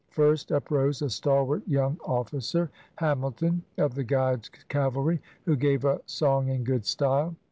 First uprose a stalwart young officer, Hamilton, of the Guides Cavalry, who gave a song in good style.